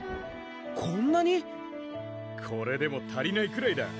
こんなに⁉これでも足りないくらいだ